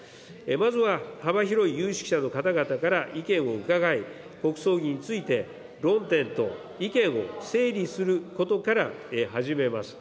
まずは幅広い有識者の方々から意見を伺い、国葬儀について、論点と意見を整理することから始めます。